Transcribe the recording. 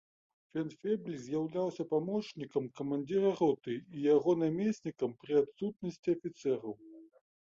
Фельдфебель з'яўляўся памочнікам камандзіра роты і яго намеснікам пры адсутнасці афіцэраў.